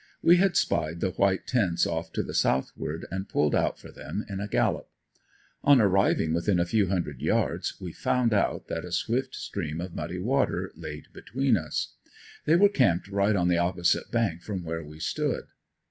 We had spied the white tents off to the southward and pulled out for them, in a gallop. On arriving within a few hundred yards we found out that a swift stream of muddy water laid between us. They were camped right on the opposite bank from where we stood.